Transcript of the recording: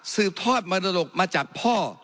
สืบทอดมรดกมาจากพ่อ